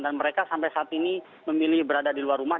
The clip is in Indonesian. dan mereka sampai saat ini memilih berada di luar rumah